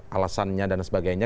alasannya dan sebagainya